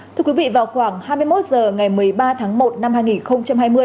thưa quý vị vào khoảng hai mươi một h ngày một mươi ba tháng một năm hai nghìn hai mươi